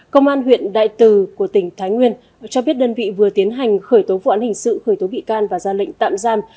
công an huyện đại từ của tỉnh thái nguyên cho biết đơn vị vừa tiến hành khởi tố vụ án hình sự khởi tố bị can và ra lệnh tạm giam